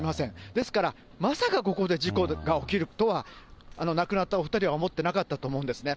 ですから、まさかここで事故が起きるとは、亡くなったお２人は思ってなかったと思うんですね。